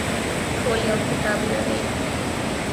ټول یو کتاب لري